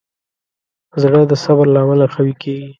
زړه د صبر له امله قوي کېږي.